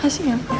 makasih ya pak